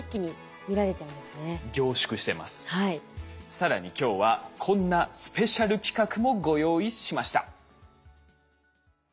更に今日はこんなスペシャル企画もご用意しました。